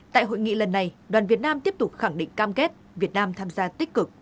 tại hội nghị lần này đoàn việt nam tiếp tục khẳng định cam kết việt nam tham gia tích cực